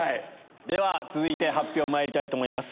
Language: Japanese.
では続いて発表まいりたいと思います。